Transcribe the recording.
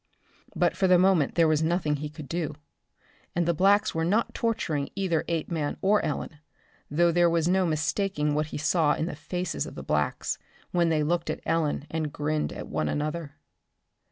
But for the moment there was nothing he could do. And the blacks were not torturing either Apeman or Ellen, though there was no mistaking what he saw in the faces of the blacks when they looked at Ellen and grinned at one another.